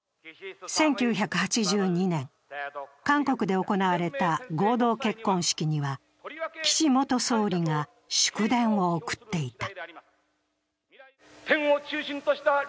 １９８２年、韓国で行われた合同結婚式には、岸元総理が祝電を送っていた。